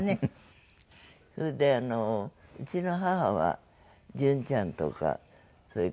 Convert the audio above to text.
それであのうちの母は順ちゃんとかそれから。